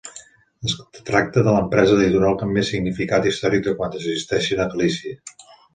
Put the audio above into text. Es tracta de l'empresa editorial amb més significat històric de quantes existeixen a Galícia.